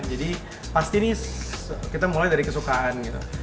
jadi pasti kita mulai dari kesukaan